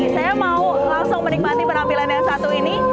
saya mau langsung menikmati penampilan yang satu ini